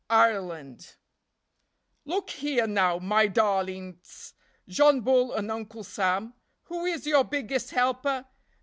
Ireland: Look here, now, my darlints, John Bull and Uncle Sam. Who is your biggest helper?